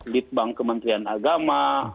lead bank kementerian agama